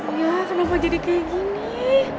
aduh ya kenapa jadi kayak gini